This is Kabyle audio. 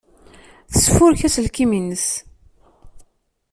Tesfurek aselkim-nnes.